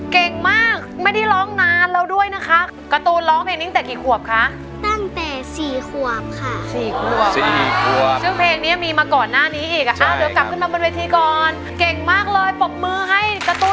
เก่งมากเลยปกมือให้การ์ตูนอีกที